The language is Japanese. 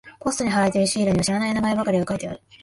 ポストに貼られているシールには知らない名前ばかりが書いてある。